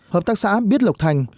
hợp tác xã biết lộc thành